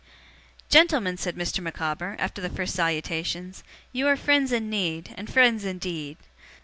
'Gentlemen!' said Mr. Micawber, after the first salutations, 'you are friends in need, and friends indeed.